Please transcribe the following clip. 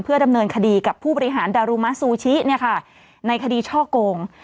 ดำเนินคดีกับผู้บริหารดารุมะซูชิในคดีช่อโกง